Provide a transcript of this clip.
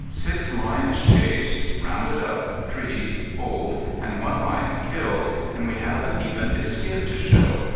Six lions chased, rounded up, treed, holed, and one lion killed, and we haven't even his skin to show.